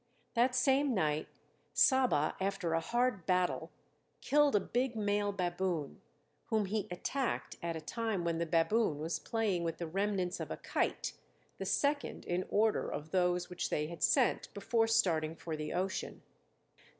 That same night Saba after a hard battle killed a big male baboon, whom he attacked at a time when the baboon was playing with the remnants of a kite, the second in order of those which they had sent before starting for the ocean.